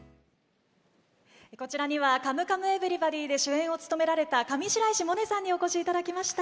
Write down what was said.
こちらには「カムカムエヴリバディ」で主演を務められた上白石萌音さんにお越しいただきました。